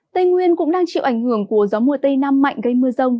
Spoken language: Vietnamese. tây nguyên cũng đang chịu ảnh hưởng của gió mùa tây nam mạnh gây mưa rông